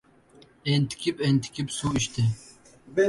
Entikib-entikib suv ichdi.